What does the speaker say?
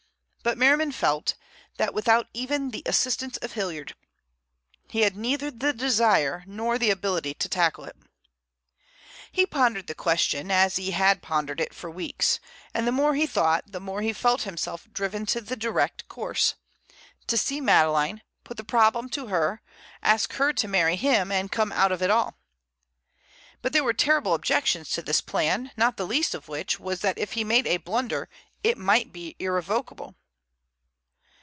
But Merriman felt that without even the assistance of Hilliard, he had neither the desire nor the ability to tackle it. He pondered the question, as he had pondered it for weeks, and the more he thought, the more he felt himself driven to the direct course—to see Madeleine, put the problem to her, ask her to marry him and come out of it all. But there were terrible objections to this plan, not the least of which was that if he made a blunder it might be irrevocable.